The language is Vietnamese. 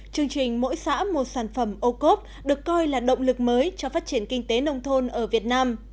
chương trình mỗi xã một sản phẩm ô cốp được coi là động lực mới cho phát triển kinh tế nông thôn ở việt nam